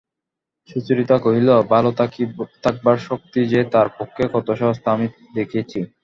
সুচরিতা কহিল, ভালো থাকবার শক্তি যে তাঁর পক্ষে কত সহজ তা আমি দেখেছি।